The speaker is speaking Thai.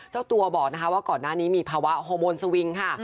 เจ้าตัวบอกนะคะว่าก่อนหน้านี้มีภาวะโฮโมนสวิงค่ะ